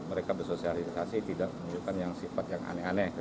mereka bersosialisasi tidak menunjukkan yang sifat yang aneh aneh